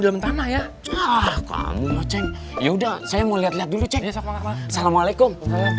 dalam tanah ya ah kamu mau ceng ya udah saya mau lihat lihat dulu ceng sama alaikum